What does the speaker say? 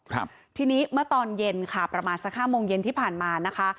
ครับทีนี้เมื่อตอนเย็นค่ะประมาณสักห้าโมงเย็นที่ผ่านมานะคะ